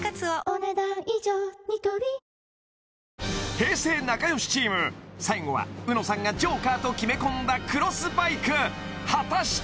平成なかよしチーム最後はうのさんがＪＯＫＥＲと決め込んだクロスバイク果たして？